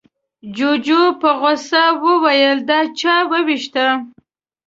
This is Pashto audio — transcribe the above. جوجو په غوسه وويل، دا چا ووېشته؟